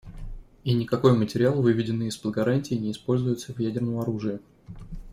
И никакой материал, выведенный из-под гарантий, не используется в ядерном оружии.